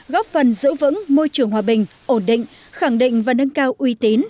góp phần giữ vững môi trường hòa bình ổn định khẳng định và nâng cao uy tín